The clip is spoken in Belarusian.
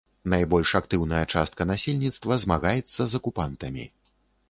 Найбольш актыўная частка насельніцтва змагаецца з акупантамі.